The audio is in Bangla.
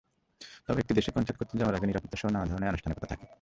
তবে একটি দেশে কনসার্ট করতে যাওয়ার আগে নিরাপত্তাসহ নানা ধরনের আনুষ্ঠানিকতা থাকে।